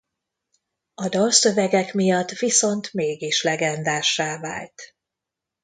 A dalszövegek miatt viszont mégis legendássá vált.